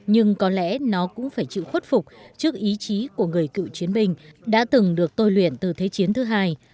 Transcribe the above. người chịu khuất phục trước ý chí của người cựu chiến binh đã từng được tôi luyện từ thế chiến thứ hai